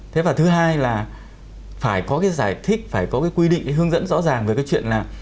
thế và thứ hai là phải có cái giải thích phải có cái quy định cái hướng dẫn rõ ràng về cái chuyện là